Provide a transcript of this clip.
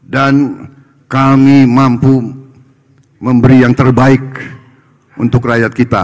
dan kami mampu memberi yang terbaik untuk rakyat kita